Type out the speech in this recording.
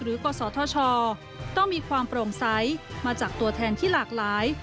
กศธชต้องมีความโปร่งใสมาจากตัวแทนที่หลากหลาย